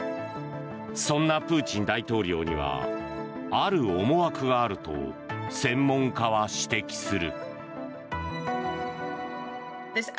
そんなプーチン大統領にはある思惑があると専門家は指摘する。